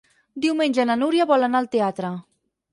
Diumenge na Núria vol anar al teatre.